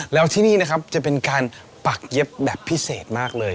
แล้วที่นี่นะครับจะเป็นการปักเย็บแบบพิเศษมากเลย